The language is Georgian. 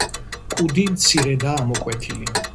კუდი მცირედაა ამოკვეთილი.